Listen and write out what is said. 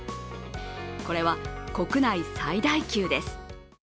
これは国内最大級です。